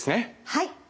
はい。